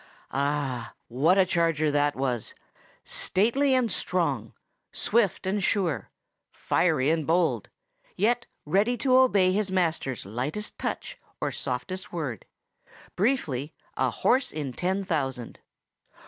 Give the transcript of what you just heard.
Ah! what a charger that was!—stately and strong, swift and sure, fiery and bold, yet ready to obey his master's lightest touch or softest word; briefly, a horse in ten thousand.